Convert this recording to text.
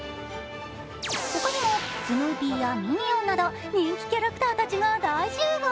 ほかにもスヌーピーやミニオンなど人気キャラクターたちが大集合。